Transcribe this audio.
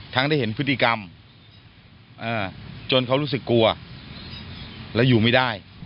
ได้เห็นพฤติกรรมจนเขารู้สึกกลัวและอยู่ไม่ได้